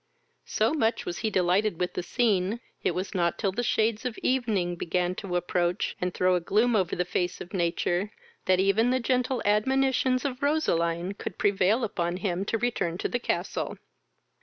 So much was he delighted with the scene, it was not till the shades of evening began to approach, and throw a gloom over the face of nature, that even the gentle admonitions of Roseline could prevail upon him to return to the castle.